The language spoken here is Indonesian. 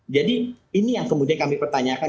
jadi ini yang kemudian kami pertanyakan